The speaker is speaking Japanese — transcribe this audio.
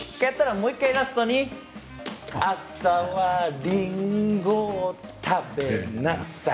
もう１回ラストに朝はりんごを食べなさい。